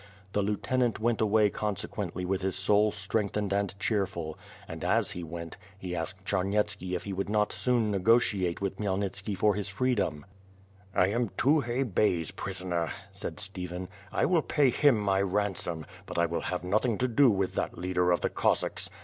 The lieutenant went away consequently with his soul strengthened and cheerful, and, as he went, he asked Charn yetski if he would not soon negotiate with Khmyelnitski for his freedom. "I am Tukhay Be/s prisoner," said Stephen, "I will pay him my ransom, but I will have nothing to do with that leader of the Cossacks.